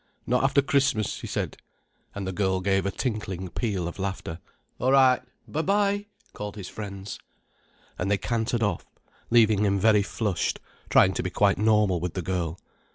"Not after Christmas," he said. And the girl gave a tinkling peal of laughter. "All right—by bye!" called his friends. And they cantered off, leaving him very flushed, trying to be quite normal with the girl.